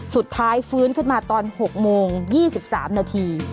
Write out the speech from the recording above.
สุดท้ายฟื้นขึ้นมาตอน๖โมง๒๓นาที